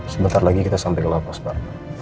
sebentar lagi kita sampai ke lapas pak